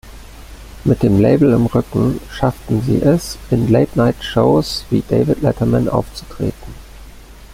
Mit dem Label im Rücken schafften sie es, in Late-Night-Shows wie David Letterman aufzutreten.